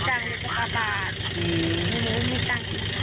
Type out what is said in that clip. ถามมาเลยว่าพฤติกรรมของคนก่อเหตุ